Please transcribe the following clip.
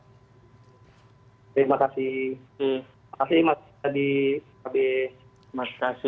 terima kasih makasih mas fadid pak be